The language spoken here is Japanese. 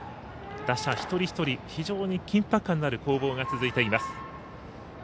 打者一人一人非常に緊迫感のあるゲームが続いています。